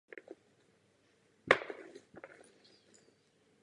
Jeho hry se dnes hrají po celé Evropě.